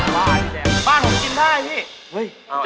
เฮ้ยจะเป็นอะไรขนาดนั้นนะ